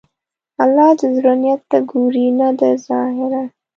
الله د زړه نیت ته ګوري، نه د ظاهره.